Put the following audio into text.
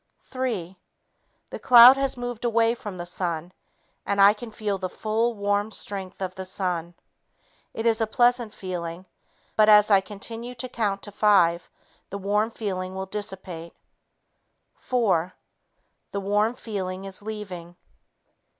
Three ... The cloud has moved away from the sun, and I can feel the full, warm strength of the sun. It is a pleasant feeling, but as I continue to count to five, the warm feeling will dissipate. Four ... The warm feeling is leaving.